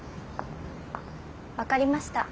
分かりました。